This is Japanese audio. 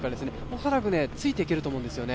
恐らくついていけると思うんですね。